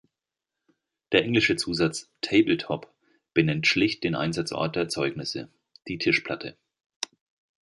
Der englische Zusatz "tabletop" benennt schlicht den Einsatzort der Erzeugnisse: die Tischplatte.